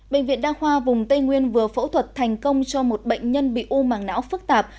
bệnh viện đa khoa vùng tây nguyên vừa phẫu thuật thành công cho một bệnh nhân bị u màng não phức tạp